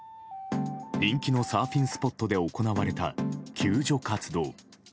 人気のサーフィンスポットで行われた救助活動。